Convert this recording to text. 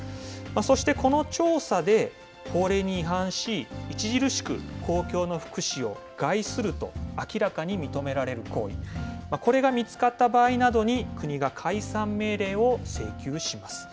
そして、この調査で法令に違反し、著しく公共の福祉を害すると明らかに認められる行為、これが見つかった場合などに、国が解散命令を請求します。